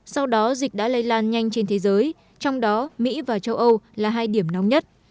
sau đó dịch đã lây lan nhanh trên thế giới trong đó mỹ và châu âu là hai điểm nóng nhất